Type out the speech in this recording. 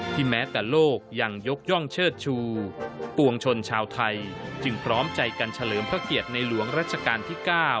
แม้แต่โลกยังยกย่องเชิดชูปวงชนชาวไทยจึงพร้อมใจกันเฉลิมพระเกียรติในหลวงรัชกาลที่๙